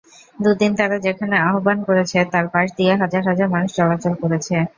দুদিন তারা যেখানে অবস্থান করেছে তার পাশ দিয়ে হাজার হাজার মানুষ চলাচল করেছে।